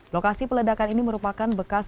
lokasi peledakan ini merupakan bekas